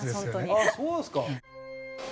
あっそうですか。